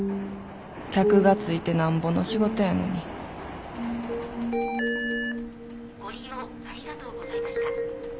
客がついてなんぼの仕事やのに「ご利用ありがとうございました」。